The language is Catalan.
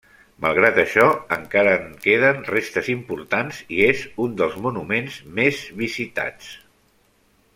Malgrat això, encara en queden restes importants i és un dels monuments més visitats.